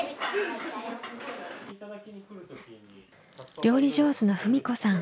料理上手の文子さん。